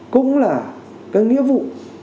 cũng là cái nghĩa vụ